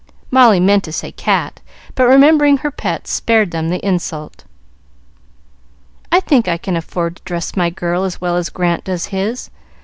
Molly meant to say "cat," but remembering her pets, spared them the insult. "I think I can afford to dress my girl as well as Grant does his.